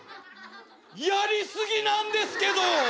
やり過ぎなんですけど。